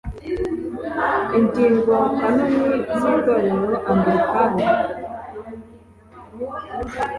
ingingo kanoni z itorero angilikani